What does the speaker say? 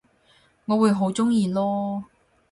我會好鍾意囉